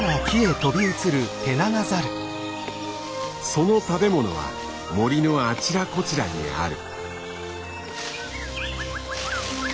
その食べ物は森のあちらこちらにある。